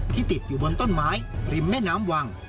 ติดอยู่บนต้นไม้ริมแม่น้ำวัง